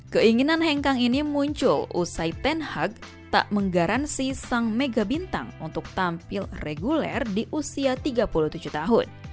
keinginan hengkang ini muncul usai ten haag tak menggaransi sang mega bintang untuk tampil reguler di usia tiga puluh tujuh tahun